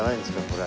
これ。